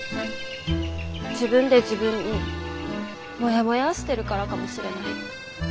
自分で自分にもやもやーしてるからかもしれない。